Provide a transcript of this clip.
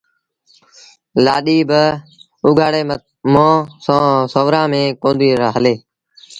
لآڏي بآ اُگھآڙي مݩهݩ سُورآݩ ميݩ ڪونديٚ هلي